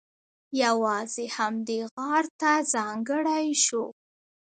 یوازې همدې غار ته ځانګړی شو.